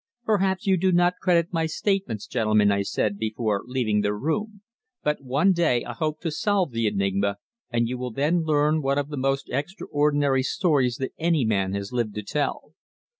"Perhaps you do not credit my statements, gentlemen," I said before leaving their room. "But one day I hope to solve the enigma, and you will then learn one of the most extraordinary stories that any man has lived to tell."